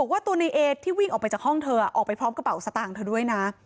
ว่าตัวในเอที่วิ่งออกไปจากห้องเธอออกไปพร้อมกระเป๋าสตางค์เธอด้วยนะ